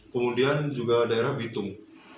kemudian juga daerah bitung